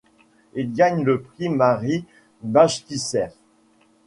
Il gagne le prix Marie Bashkirtseff.